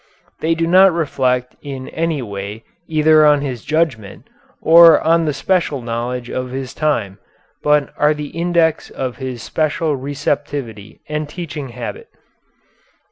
They do not reflect in any way either on his judgment or on the special knowledge of his time, but are the index of his special receptivity and teaching habit.